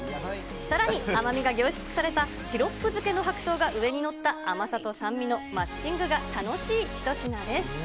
さらに甘みが凝縮された、シロップ漬けの白桃が上に載った甘さと酸味のマッチングが楽しい一品です。